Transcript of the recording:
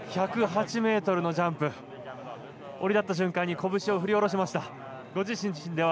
１０８ｍのジャンプ降り立った瞬間に拳を振り下ろしました。